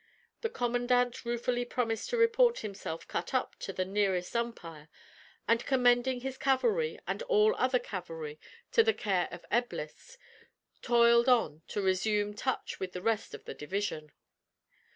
The commandant ruefully promised to report himself "cut up" to the nearest umpire, and commending his cavalry and all other cavalry to the care of Eblis, toiled on to resume touch with the rest of the division.